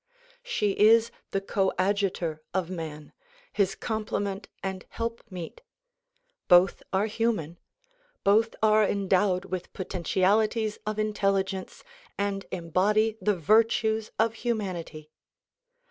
She is the coadjutor of man ; his complement and helpmeet. Both are human, both are endowed with potentialities of intelligence and embody the virtues of humanity.